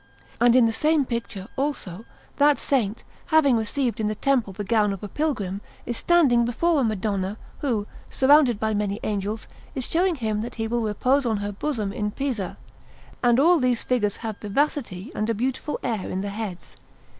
And in the same picture, also, that Saint, having received in the Temple the gown of a pilgrim, is standing before a Madonna, who, surrounded by many angels, is showing him that he will repose on her bosom in Pisa; and all these figures have vivacity and a beautiful air in the heads.